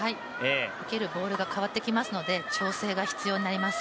受けるボールが変わってきますので、調整が必要になります。